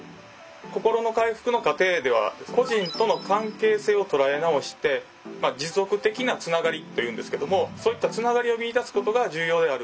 心の回復の過程では故人との関係性を捉え直して「持続的なつながり」と言うんですけどもそういったつながりを見い出すことが重要である。